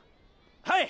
はい！